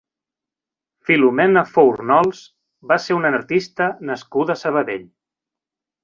Filomena Fournols va ser una artista nascuda a Sabadell.